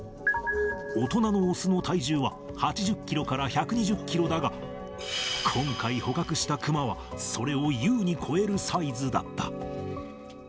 大人の雄の体重は８０キロから１２０キロだが、今回捕獲したクマは、それを優に超えるサイズだった。